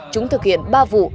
chúng thực hiện ba vụ